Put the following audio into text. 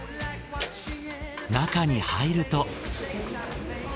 中に入ると。